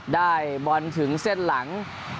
ได้บอลถึงเส้นหลัง